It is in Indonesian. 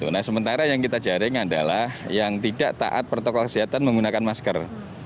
nah sementara yang kita jaring adalah yang tidak taat protokol kesehatan menggunakan masker